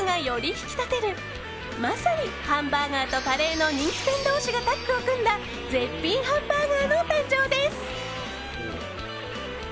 引き立てるまさにハンバーガーとカレーの人気店同士がタッグを組んだ絶品ハンバーガーの誕生です。